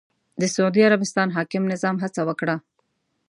د سعودي عربستان حاکم نظام هڅه وکړه